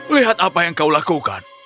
lihat apa yang kau lakukan